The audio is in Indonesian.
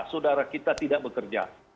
saudara kita tidak bekerja